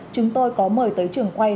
chúng tôi có mời tới trưởng quay